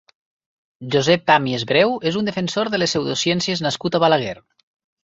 Josep Pàmies Breu és un defensor de les pseudociències nascut a Balaguer.